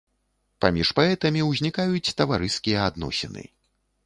Паміж паэтамі узнікаюць таварыскія адносіны.